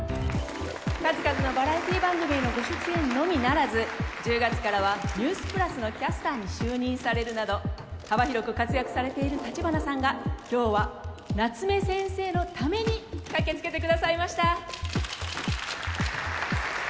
数々のバラエティー番組へのご出演のみならず１０月からは『ニュースプラス』のキャスターに就任されるなど幅広く活躍されている橘さんが今日は夏目先生のために駆け付けてくださいました。